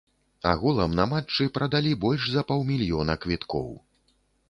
Агулам, на матчы прадалі больш за паўмільёна квіткоў.